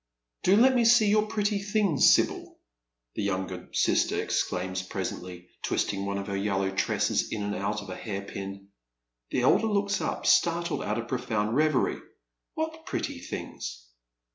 " Do let me see your pretty things, Sibyl," the younger sister exclaims presently, twisting one of her yellow tresses in and out of a hair pin. The elder looks up, startled ont of a profound reverie. " What pretty things